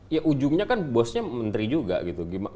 ya ujungnya kan bosnya menteri juga gitu